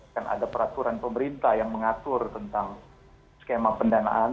kan ada peraturan pemerintah yang mengatur tentang skema pendanaan